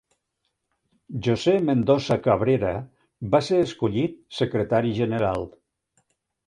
José Mendoza Cabrera va ser escollit secretari general.